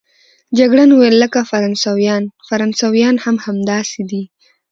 جګړن وویل: لکه فرانسویان، فرانسویان هم همداسې دي.